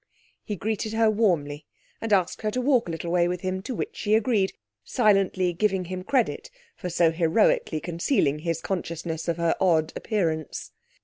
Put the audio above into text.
He greeted her warmly and asked her to walk a little way with him, to which she agreed, silently giving him credit for so heroically concealing his consciousness of her odd appearance.